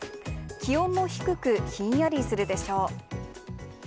気温も低く、ひんやりするでしょう。